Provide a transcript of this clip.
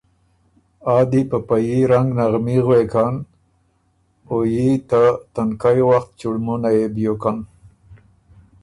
آ دی په په يي رنګ نغمي غوېکن۔ او يي ته تنکئ وخت چُړمُونئ يې بیوکن۔